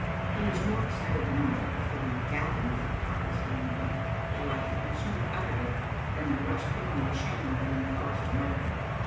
He was more excited than I, for the " Gavin" fell harm lessly on him, while I had no sooner uttered it than there rushed through me the shame of being false to Margaret.